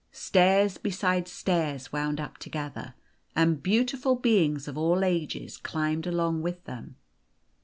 Stairs beside stairs wound up together, and beautiful beings of all ages climbed along with them.